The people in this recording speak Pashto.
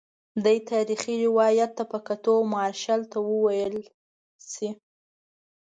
دې تاریخي روایت ته په کتو مارشال ته وویل شي.